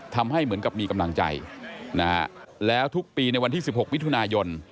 ทำให้เหมือนกับมีกำลังใจนะฮะแล้วทุกปีในวันที่๑๖มิถุนายน